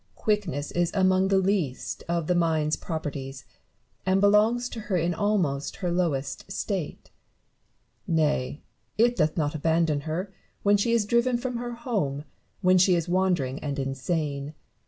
Barrow. Quickness is among the least of the mind's properties, and belongs to her in almost her lowest state : nay, it doth not abandon her when she is driven from her home, when she is wandering and insane.